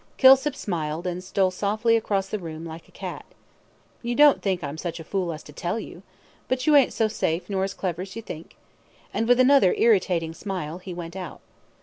Kilsip smiled, and stole softly across the room like a cat. "You don't think I'm such a fool as to tell you? But you ain't so safe nor clever as you think," and, with another irritating smile, he went out.